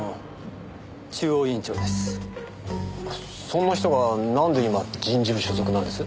そんな人がなんで今人事部所属なんです？